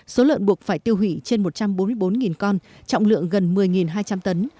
số lợn buộc phải tiêu hủy trên một trăm bốn mươi bốn con trọng lượng gần một mươi hai trăm linh tấn